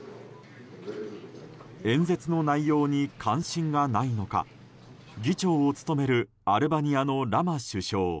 演説の内容に関心がないのか議長を務めるアルバニアのラマ首相